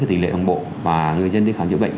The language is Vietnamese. tỷ lệ đồng bộ và người dân đi khỏi nhiễu bệnh